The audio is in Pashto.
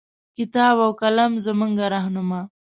کتاب او قلم زمونږه رهنما